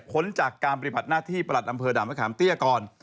้นจากการปฏิบัติหน้าที่ประหลัดอำเภอด่านมะขามเตี้ยก่อน